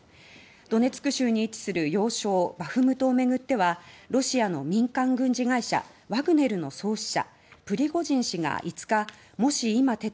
ドネツク州に位置する要衝バフムトを巡ってはロシアの民間軍事会社ワグネルの創始者